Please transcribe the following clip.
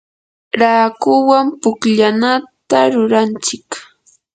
raakuwan pukllanata ruranchik.